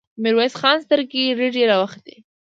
د ميرويس خان سترګې رډې راوختې!